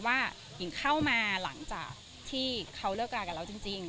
หญิงเข้ามาหลังจากที่เขาเลิกรากันแล้วจริง